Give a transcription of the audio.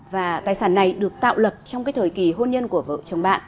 và tài sản này được tạo lập trong cái thời kỳ hôn nhân của vợ chồng bạn